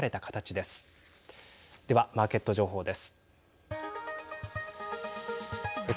では、マーケット情報です。